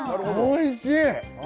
おいしい！